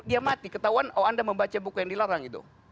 dia mati ketahuan oh anda membaca buku yang dilarang gitu